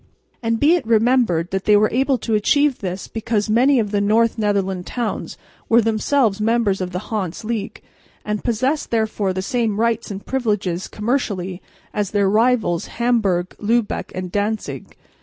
And be it remembered that they were able to achieve this because many of the North Netherland towns were themselves members of the Hanse League, and possessed therefore the same rights and privileges commercially as their rivals, Hamburg, Lübeck or Danzig.